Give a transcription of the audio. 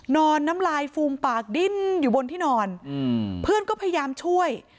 น้ำลายฟูมปากดิ้นอยู่บนที่นอนเพื่อนก็พยายามช่วย